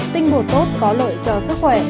tinh bột tốt có lợi cho sức khỏe